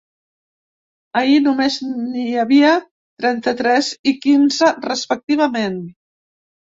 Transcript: Ahir només n’hi havia trenta-tres i quinze, respectivament.